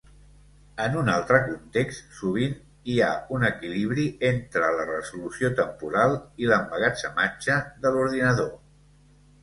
En un altre context, sovint hi ha un equilibri entre la resolució temporal i l'emmagatzematge de l'ordinador.